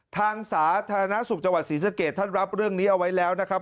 สาธารณสุขจังหวัดศรีสะเกดท่านรับเรื่องนี้เอาไว้แล้วนะครับ